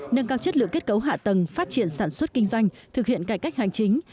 nâng cao chất lượng kết cấu hạ tầng phát triển sản xuất kinh doanh thực hiện cải cách hành chính